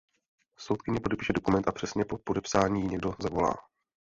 Soudkyně podepíše dokument a přesně po podepsání ji někdo zavolá.